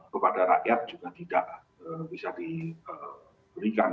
kepada rakyat juga tidak bisa diberikan